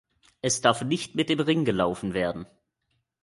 Es darf nicht mit dem Ring gelaufen werden.